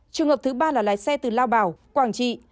trường hợp thứ ba là lái xe từ lao bảo quảng trị